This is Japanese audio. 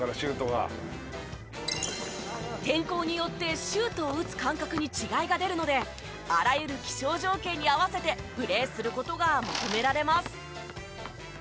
天候によってシュートを打つ感覚に違いが出るのであらゆる気象条件に合わせてプレーする事が求められます。